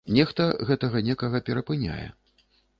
Нехта гэтага некага перапыняе.